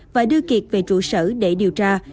và đưa kiệt về trụ sở để điều tra